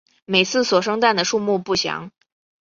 每次所生蛋的数目不详。